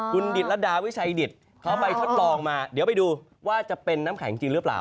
คุณดิตรดาวิชัยดิตเขาไปทดลองมาเดี๋ยวไปดูว่าจะเป็นน้ำแข็งจริงหรือเปล่า